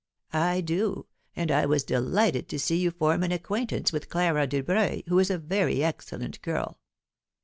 "I do; and I was delighted to see you form an acquaintance with Clara Dubreuil, who is a very excellent girl."